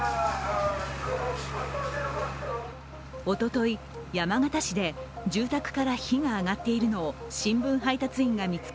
おととい、山形市で住宅から火が上がっているのを新聞配達員が見つけ